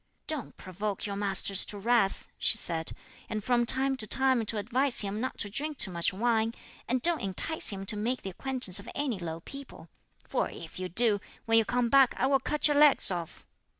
"Don't provoke your master to wrath," she said, "and from time to time do advise him not to drink too much wine; and don't entice him to make the acquaintance of any low people; for if you do, when you come back I will cut your leg off."